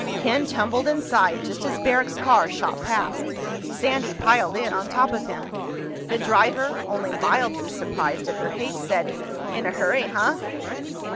Ken tumbled inside just as Barrack's car shot past. Sandy piled in on top of him. The driver, only mildly surprised at their haste, said, "In a hurry, huh?"